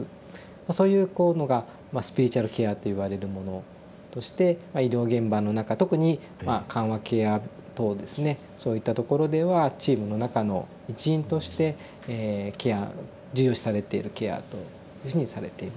そういうこうのがスピリチュアルケアっていわれるものとして医療現場の中特に緩和ケア棟ですねそういったところではチームの中の一員として重要視されているケアというふうにされています。